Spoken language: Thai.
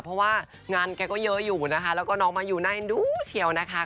เพราะว่างานแกก็เยอะอยู่นะคะแล้วก็น้องมายูน่าเอ็นดูเชียวนะคะ